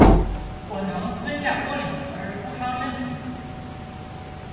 我能吞下玻璃而不伤身体